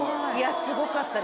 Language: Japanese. すごかったですね。